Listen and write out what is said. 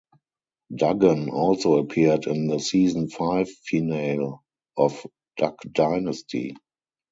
Duggan also appeared in the season five finale of "Duck Dynasty".